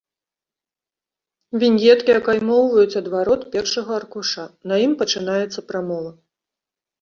Віньеткі акаймоўваюць адварот першага аркуша, на ім пачынаецца прамова.